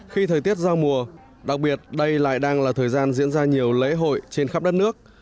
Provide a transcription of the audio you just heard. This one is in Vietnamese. khi thời tiết giao mùa đặc biệt đây lại đang là thời gian diễn ra nhiều lễ hội trên khắp đất nước